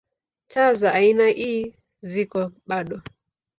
Taa za aina ii ziko bado.